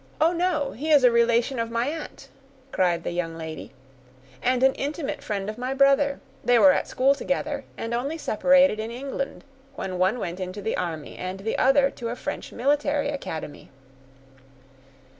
Oh, no—he is a relation of my aunt," cried the young lady, "and an intimate friend of my brother; they were at school together, and only separated in England, when one went into the army, and the other to a French military academy."